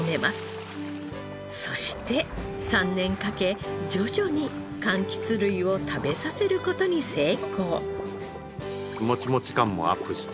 そして３年かけ徐々に柑橘類を食べさせる事に成功。